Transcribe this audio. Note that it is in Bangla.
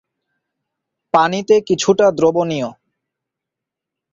পানিতে কিছুটা দ্রবণীয়।